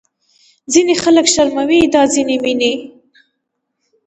ځینې خلک شرموي دا ځینې مینې